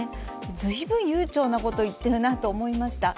ずいぶん悠長なことを言っているなと思いました。